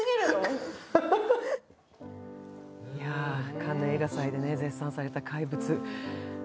カンヌ映画祭で絶賛された「怪物」。